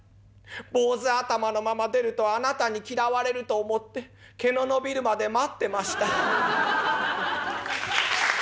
坊主頭のまま出るとあなたに嫌われると思って毛の伸びるまで待ってました」。